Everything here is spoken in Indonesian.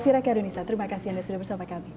terima kasih anda sudah bersama kami